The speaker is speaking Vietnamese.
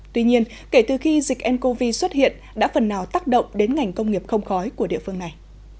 tuy nhiên kể từ khi dịch ncov xuất hiện đã phần nào tác động đến ngành công nghiệp không khói của địa phương này